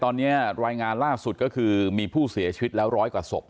ตอนนี้รายงานล่าสุดก็คือมีผู้เสียชีวิตแล้วร้อยกว่าศพ